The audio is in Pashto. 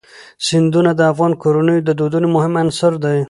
سیندونه د افغان کورنیو د دودونو مهم عنصر دی.